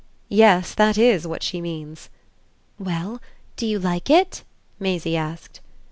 "Yes, that IS what she means." "Well, do you like it?" Maisie asked.